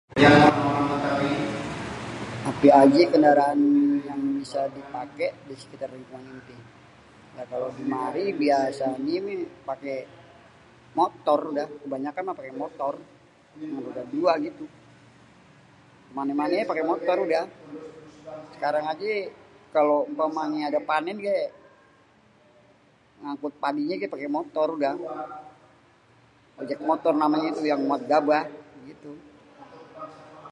Apé ajé kendaaran yang bisa dipaké di sekitar lingkungan enté? Kalo di mari biasanyé paké motor udah. Kebanyakan mah paké motor, yang roda dua gitu. Ke mané-mané paké motor udah. Sekarang ajé kalo umpamanya udah panen yé ngangkut padinyé paké motor udah. Ojek motor itu namanya yang muat gabah, gitu.